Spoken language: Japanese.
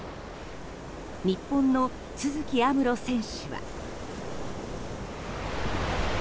日本の都築有夢路選手は。